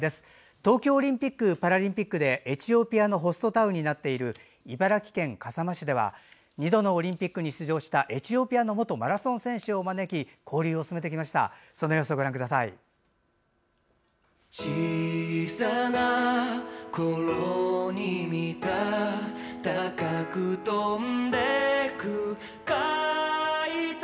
東京オリンピック・パラリンピックでアフリカ・エチオピアのホストタウンになっている茨城県笠間市では２度のオリンピックに出場したエチオピアの元マラソン選手を招き交流を進めてきました。